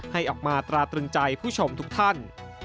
ให้ออกมาตราตรึงใจผู้ชมทุกท่าน